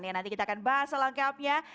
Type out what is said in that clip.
ya nanti kita akan bahas selengkapnya